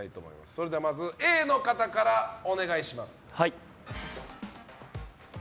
それではＡの方からお願いします。